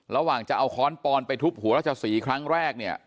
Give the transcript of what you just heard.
ระหว่างจะเอาค้อนปอนไปทุบหัวรัชศรีครั้งแรกเนี่ย